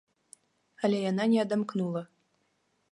Але яна не адамкнула.